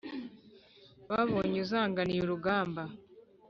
babonye uzanganiye urugamba,